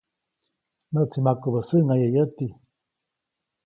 ‒Näʼtsi makubä säʼŋaye yäti‒.